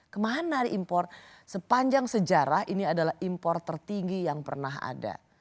kemana diimpor sepanjang sejarah ini adalah impor tertinggi yang pernah ada